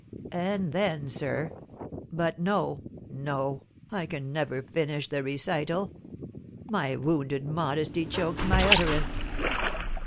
And then, sir, but no, no, I can never finish the recital; my wounded modesty chokes my utterance."